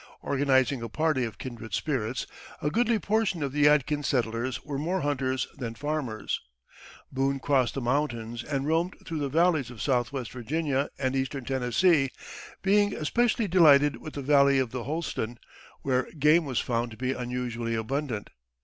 Organizing a party of kindred spirits a goodly portion of the Yadkin settlers were more hunters than farmers Boone crossed the mountains and roamed through the valleys of southwest Virginia and eastern Tennessee, being especially delighted with the Valley of the Holston, where game was found to be unusually abundant.